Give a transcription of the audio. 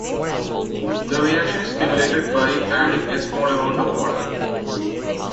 The reaction is stimulated by adding a small amount of water.